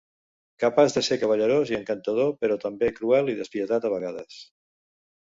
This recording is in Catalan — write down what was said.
Capaç de ser cavallerós i encantador, però també cruel i despietat a vegades.